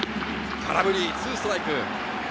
空振り、２ストライク。